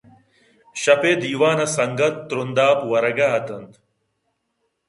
شپ ءِ دیوان ءَ سنگت تْرُندآپ ورگ ءَ اِت اَنت